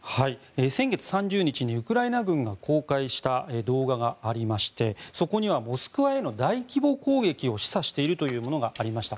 先月３０日にウクライナ軍が公開した動画がありましてそこにはモスクワへの大規模攻撃を示唆しているというものがありました。